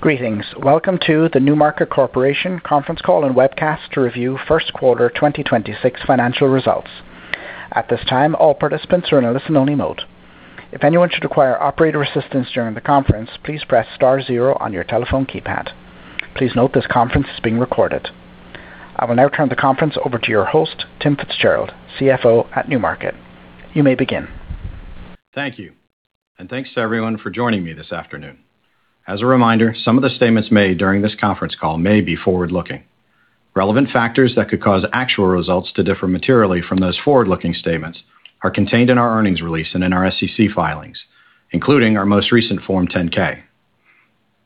Greetings. Welcome to the NewMarket Corporation conference call and webcast to review first quarter 2026 financial results. At this time, all participants are in a listen only mode. If anyone should require operator assistance during the conference, please press star zero on your telephone keypad. Please note this conference is being recorded. I will now turn the conference over to your host, Tim Fitzgerald, CFO at NewMarket. You may begin. Thank you, and thanks to everyone for joining me this afternoon. As a reminder, some of the statements made during this conference call may be forward-looking. Relevant factors that could cause actual results to differ materially from those forward-looking statements are contained in our earnings release and in our SEC filings, including our most recent Form 10-K.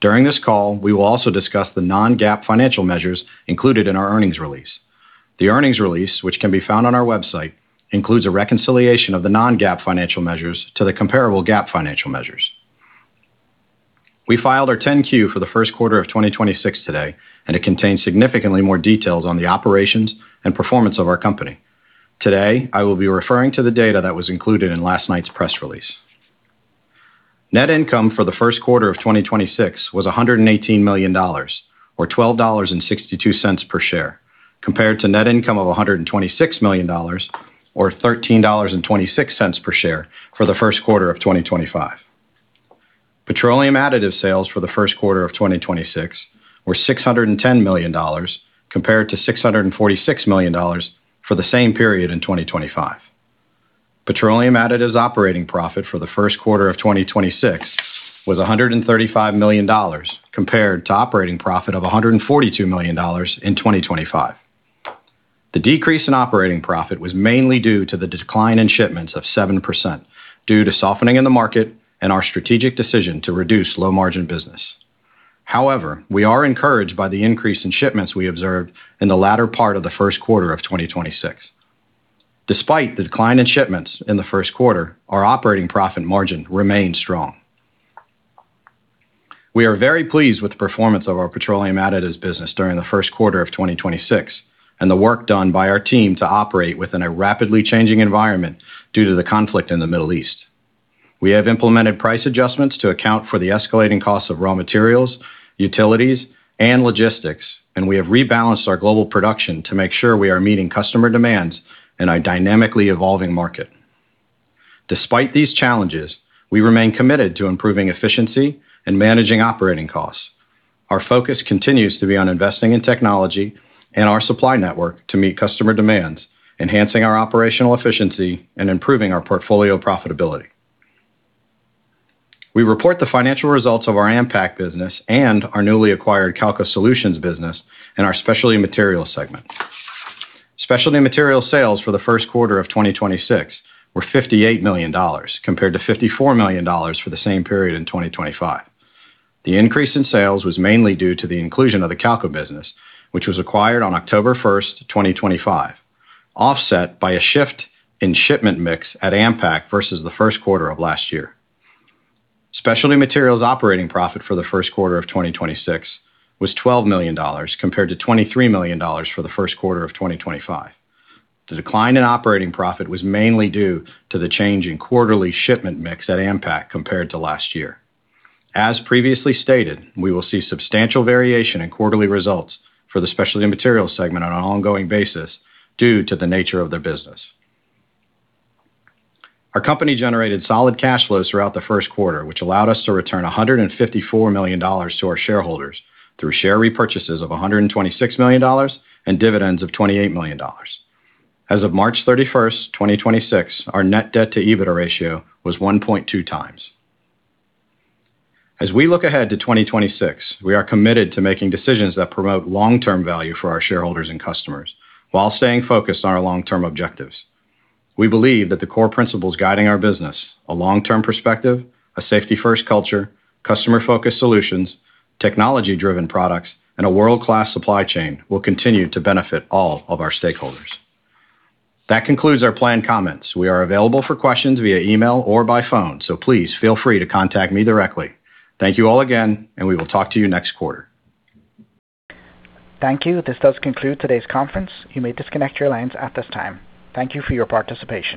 During this call, we will also discuss the non-GAAP financial measures included in our earnings release. The earnings release, which can be found on our website, includes a reconciliation of the non-GAAP financial measures to the comparable GAAP financial measures. We filed our 10-Q for the first quarter of 2026 today, and it contains significantly more details on the operations and performance of our company. Today, I will be referring to the data that was included in last night's press release. Net income for the first quarter of 2026 was $118 million, or $12.62 per share, compared to net income of $126 million, or $13.26 per share for the first quarter of 2025. Petroleum additives sales for the first quarter of 2026 were $610 million, compared to $646 million for the same period in 2025. Petroleum additives operating profit for the first quarter of 2026 was $135 million, compared to operating profit of $142 million in 2025. The decrease in operating profit was mainly due to the decline in shipments of 7%, due to softening in the market and our strategic decision to reduce low-margin business. However, we are encouraged by the increase in shipments we observed in the latter part of the first quarter of 2026. Despite the decline in shipments in the first quarter, our operating profit margin remained strong. We are very pleased with the performance of our petroleum additives business during the first quarter of 2026 and the work done by our team to operate within a rapidly changing environment due to the conflict in the Middle East. We have implemented price adjustments to account for the escalating cost of raw materials, utilities, and logistics, and we have rebalanced our global production to make sure we are meeting customer demands in a dynamically evolving market. Despite these challenges, we remain committed to improving efficiency and managing operating costs. Our focus continues to be on investing in technology and our supply network to meet customer demands, enhancing our operational efficiency and improving our portfolio profitability. We report the financial results of our AMPAC business and our newly acquired Calca Solutions business in our specialty materials segment. Specialty materials sales for the first quarter of 2026 were $58 million, compared to $54 million for the same period in 2025. The increase in sales was mainly due to the inclusion of the Calca business, which was acquired on October 1st, 2025, offset by a shift in shipment mix at AMPAC versus the first quarter of last year. Specialty materials operating profit for the first quarter of 2026 was $12 million, compared to $23 million for the first quarter of 2025. The decline in operating profit was mainly due to the change in quarterly shipment mix at AMPAC compared to last year. As previously stated, we will see substantial variation in quarterly results for the specialty materials segment on an ongoing basis due to the nature of the business. Our company generated solid cash flows throughout the first quarter, which allowed us to return $154 million to our shareholders through share repurchases of $126 million and dividends of $28 million. As of March 31st, 2026, our net debt to EBITDA ratio was 1.2 times. As we look ahead to 2026, we are committed to making decisions that promote long-term value for our shareholders and customers while staying focused on our long-term objectives. We believe that the core principles guiding our business, a long-term perspective, a safety-first culture, customer-focused solutions, technology-driven products, and a world-class supply chain will continue to benefit all of our stakeholders. That concludes our planned comments. We are available for questions via email or by phone, so please feel free to contact me directly. Thank you all again, and we will talk to you next quarter. Thank you. This does conclude today's conference. You may disconnect your lines at this time. Thank you for your participation.